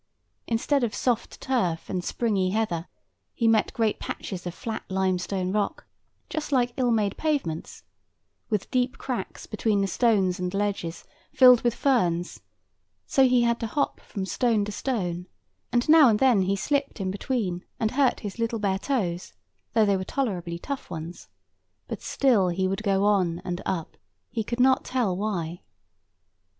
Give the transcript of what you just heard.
Instead of soft turf and springy heather, he met great patches of flat limestone rock, just like ill made pavements, with deep cracks between the stones and ledges, filled with ferns; so he had to hop from stone to stone, and now and then he slipped in between, and hurt his little bare toes, though they were tolerably tough ones; but still he would go on and up, he could not tell why.